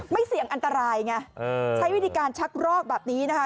เสี่ยงอันตรายไงใช้วิธีการชักรอกแบบนี้นะคะ